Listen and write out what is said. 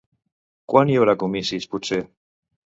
Quan hi haurà comicis, potser?